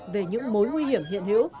về những mối nguy hiểm hiện hữu